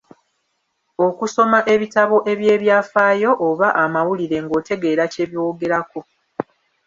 Okusoma ebitabo eby'ebyafaayo oba amawulire ng'otegeera kye boogerako.